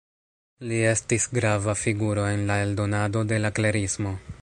Li estis grava figuro en la eldonado de la klerismo.